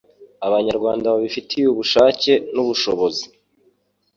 Abanyarwanda babifitiye ubushake n'ubushobozi